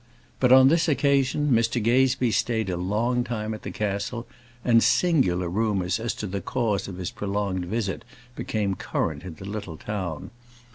But on this occasion, Mr Gazebee stayed a long time at the castle, and singular rumours as to the cause of his prolonged visit became current in the little town.